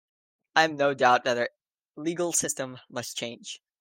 I am in no doubt that our legal system must change.